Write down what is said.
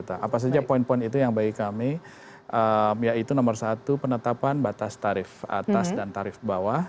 apa saja poin poin itu yang bagi kami yaitu nomor satu penetapan batas tarif atas dan tarif bawah